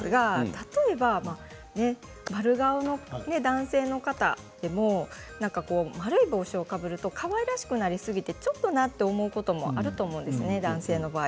例えば丸顔の男性の方でも丸い帽子をかぶると、かわいらしくなりすぎてちょっとなと思うのもあるんですね、男性の場合。